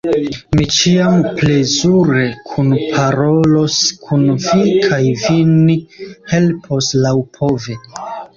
Mi ĉiam plezure kunparolos kun vi kaj vin helpos laŭpove.